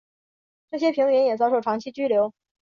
这些平民也遭受长期拘留。